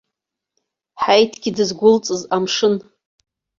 Ҳаиҭгьы дызгәылҵыз амшын.